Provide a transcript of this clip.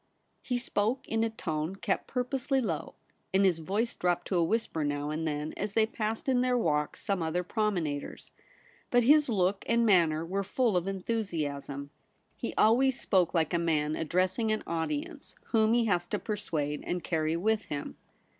He spoke in a tone kept purposely low, and his voice dropped to a whisper now and then as they passed in their walk some other promenaders. But his look and manner were full of enthusiasm. He always spoke like a 'WHO SHALL SEPARATE US?' 6i man addressing an audience whom he has to persuade and carry with him.